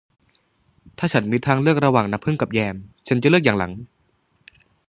ถ้าฉันมีทางเลือกระหว่างน้ำผึ้งกับแยมฉันจะเลือกอย่างหลัง